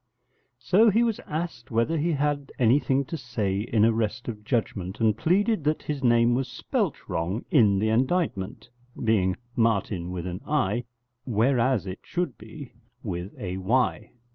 So he was asked whether he had anything to say in arrest of judgement, and pleaded that his name was spelt wrong in the indictment, being Martin with an I, whereas it should be with a Y.